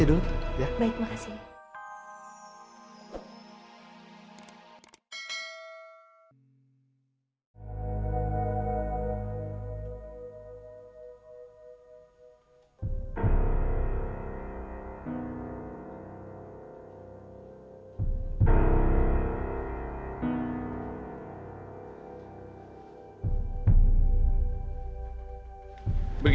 aduh makasih banyak pak